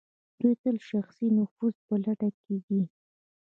دوی تل د شخصي نفوذ په لټه کې دي.